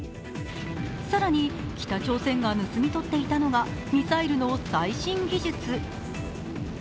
更に北朝鮮が盗み取っていたのがミサイルの最新技術。